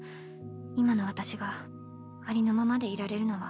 今の私がありのままでいられるのは。